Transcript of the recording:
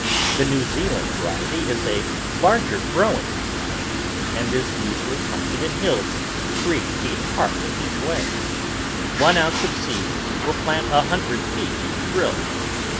The New Zealand variety is a larger growing variety, and is usually planted in hills three feet apart each way. One ounce of seed will plant a hundred feet of drill.